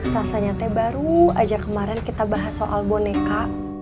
rasanya teh baru aja kemarin kita bahas soal boneka